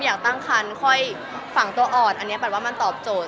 อยากตั้งคันค่อยฝังตัวอ่อนอันนี้แปลว่ามันตอบโจทย